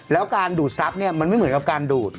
แล้วการดูดซับมันไม่เหมือนกับการดูด